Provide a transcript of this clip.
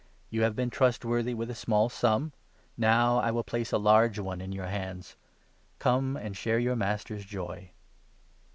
23 ' You have been trustworthy with a small sum ; now I will place a large one in your hands ; come and share your master's joy